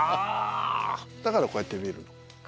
だからこうやって見るの。